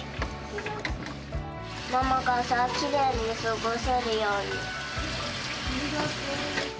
ママがさ、きれいに過ごせるありがとう。